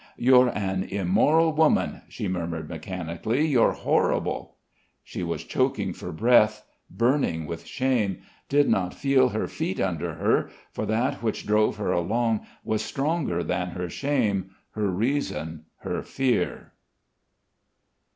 "You're an immoral woman," she murmured mechanically. "You're horrible." She was choking for breath, burning with shame, did not feel her feet under her, for that which drove her along was stronger than her shame, her reason, her fear....